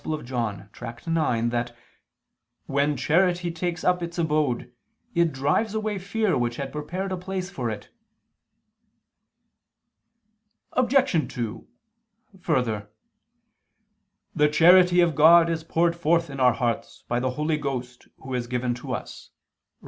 Joan. Tract. ix) that "when charity takes up its abode, it drives away fear which had prepared a place for it." Obj. 2: Further, "The charity of God is poured forth in our hearts, by the Holy Ghost, Who is given to us" (Rom.